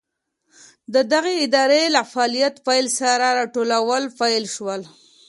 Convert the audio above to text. د دغې ادارې له فعالیت پیل سره راټولول پیل شول.